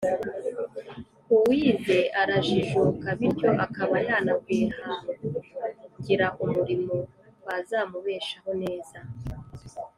uwize arajijuka bityo akaba yanakwihangira umurimo wazamubeshaho neza